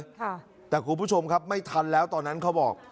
ค่ะแต่คุณผู้ชมครับไม่ทันแล้วตอนนั้นเขาบอก